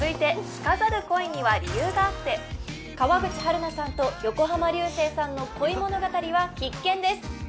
続いて川口春奈さんと横浜流星さんの恋物語は必見です